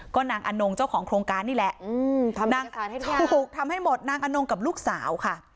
ก็นางอนงเจ้าของโครงการนี่แหละถูกทำให้หมดนางอนงกับลูกสาวค่ะ